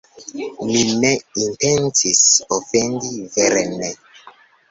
“Mi ne intencis ofendi, vere ne!”